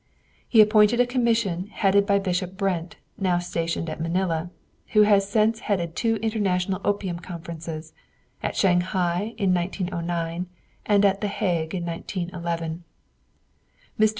He appointed a commission headed by Bishop Brent, now stationed at Manila, who has since headed two international opium conferences, at Shanghai in 1909 and at The Hague in 1911. Mr.